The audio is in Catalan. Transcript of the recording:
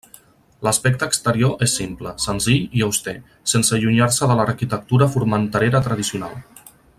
L'aspecte exterior és simple, senzill i auster, sense allunyar-se de l'arquitectura formenterera tradicional.